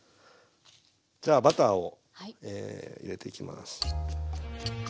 じゃあバターを入れていきます。